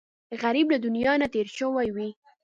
غریب له دنیا نه تېر شوی وي